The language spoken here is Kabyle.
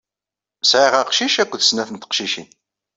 Sɛiɣ aqcic akked snat teqcicin.